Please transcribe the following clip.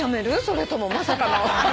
それともまさかの。